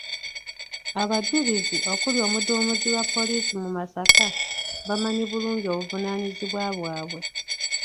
Abajulizi okuli omuduumizi wa poliisi mu Masaka bamanyi bulungi obuvunaanyizibwa bwabwe.